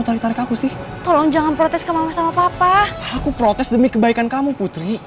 atau ditarik aku sih tolong jangan protes kemana sama papa aku protes demi kebaikan kamu putri